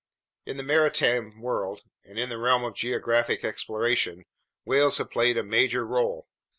In the maritime world and in the realm of geographic exploration, whales have played a major role.